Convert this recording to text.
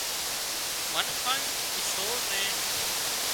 منکانئي اي سور نين